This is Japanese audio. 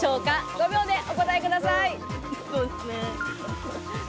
５秒でお答えください。